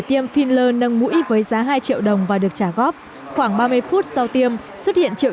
tiêm filler nâng mũi với giá hai triệu đồng và được trả góp khoảng ba mươi phút sau tiêm xuất hiện triệu